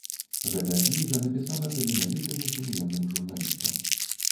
Гэтая кніга напісана таленавітым і сумленным журналістам.